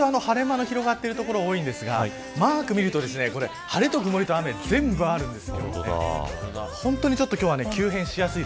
今日はこの時間、晴れ間の広がっている所が多いんですがマークを見ると晴れと曇りと雨全部あるんです。